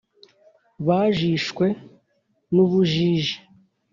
bajishwe n’ubujiji